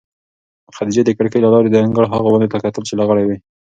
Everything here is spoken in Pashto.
خدیجې د کړکۍ له لارې د انګړ هغو ونو ته کتل چې لغړې وې.